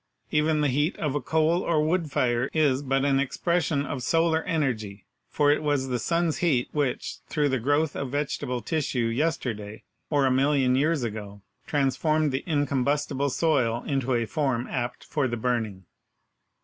Even the heat of a coal or wood fire is but an expression of solar energy, for it was the sun's heat which, through the growth of vegetable tissue, yesterday, or a million years ago, transformed the incombustible soil into a form apt for the burning.